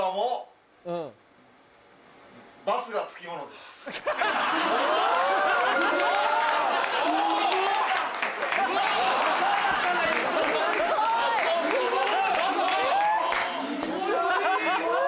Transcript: すごい。